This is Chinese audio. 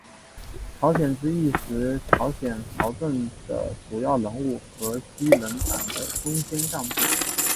朝鲜之役时朝鲜朝政的主要人物和西人党的中坚干部。